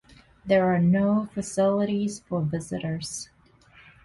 There are no facilities for visitors.